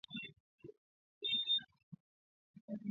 Tuki ba saidia sana ba mama kwa mawazo yabo bata weza